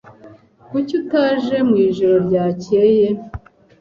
Kuki utaje mu ijoro ryakeye?